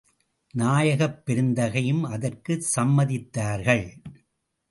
நாயகப் பெருந்தகையும் அதற்குச் சம்மதித்தார்கள்.